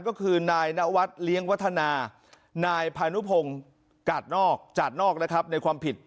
ก็คือนายนวัตรเลี้ยงวัฒนานายพานุพงศ์จัดนอกในความผิด